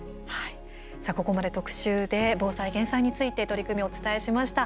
ここまで特集で防災・減災について取り組みお伝えしました。